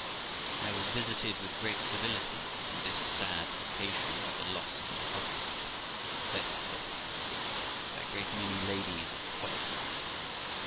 I was visited with great civility on this sad occasion of the loss of my husband, as they thought him, by a great many ladies of quality.